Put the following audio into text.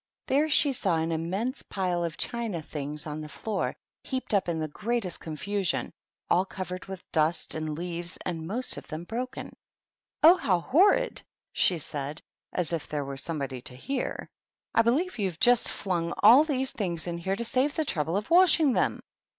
There she saw an immense pile of china things on the floor, heaped up in the greatest confusion, all covered with dust and leaves, and most of them broken. " Oh, how horrid I" she said, as if there were somebody to hear ;" I believe you've just flung 56 THE TEA TABLE. all these things in here to save the trouble of washing them